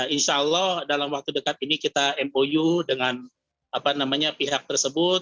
insya allah dalam waktu dekat ini kita mou dengan pihak tersebut